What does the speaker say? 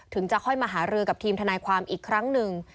จะค่อยมาหารือกับทีมทนายความอีกครั้งหนึ่ง